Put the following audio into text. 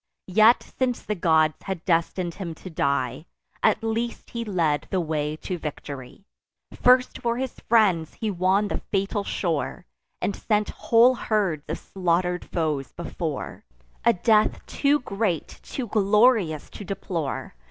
Yet, since the gods had destin'd him to die, At least he led the way to victory: First for his friends he won the fatal shore, And sent whole herds of slaughter'd foes before; A death too great, too glorious to deplore.